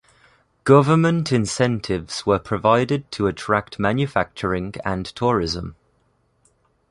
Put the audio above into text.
Government incentives were provided to attract manufacturing and tourism.